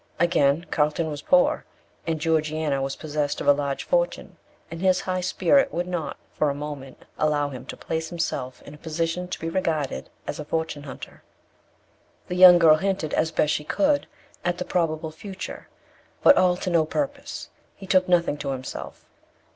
Again, Carlton was poor, and Georgiana was possessed of a large fortune; and his high spirit would not, for a moment, allow him to place himself in a position to be regarded as a fortune hunter. The young girl hinted, as best she could, at the probable future; but all to no purpose. He took nothing to himself.